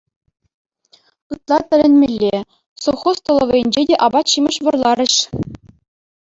Ытла тӗлӗнмелле: совхоз столовӑйӗнчен те апат-ҫимӗҫ вӑрларӗҫ.